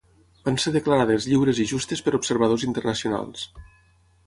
Van ser declarades lliures i justes per observadors internacionals.